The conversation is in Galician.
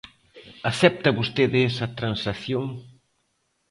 ¿Acepta vostede esa transacción?